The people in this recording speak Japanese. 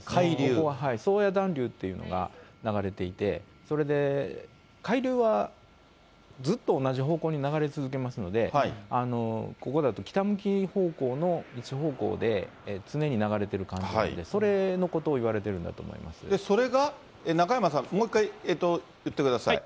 ここは、宗谷暖流というのが流れていて、それで海流はずっと同じ方向に流れ続けますので、ここだと北向き方向の西方向で、常に流れている感じなんで、それのことを言われてるんだと思いまそれが中山さん、もう一回言ってください。